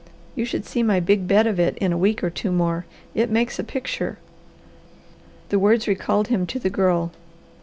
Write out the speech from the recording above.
You should see my big bed of it in a week or two more. It makes a picture." The words recalled him to the Girl.